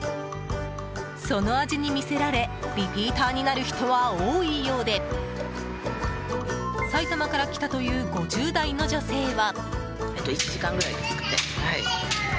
その味に見せられリピーターになる人は多いようで埼玉から来たという５０代の女性は。